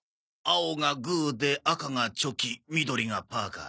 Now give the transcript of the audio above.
青がグーで赤がチョキ緑がパーか。